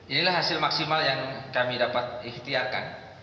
inilah hasil maksimal yang kami dapat ikhtiarkan